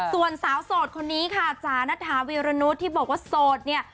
ส่วนสาวโสดคนนี้ค่ะจ๋านัทธาวีรนุษย์ที่บอกว่าโสดเนี่ย